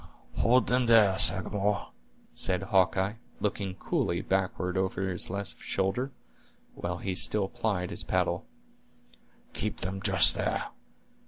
"Hold them there, Sagamore," said Hawkeye, looking coolly backward over this left shoulder, while he still plied his paddle; "keep them just there.